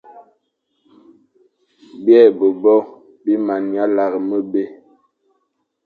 Bîe-be-bo bi mana lar mebé ;